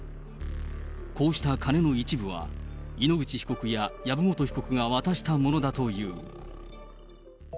こうした金の一部は、井ノ口被告や籔本被告が渡したものだという。